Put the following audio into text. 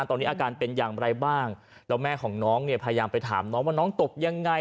ตอนนี้อาการเป็นอย่างไรบ้างแล้วแม่ของน้องเนี่ยพยายามไปถามน้องว่าน้องตกยังไง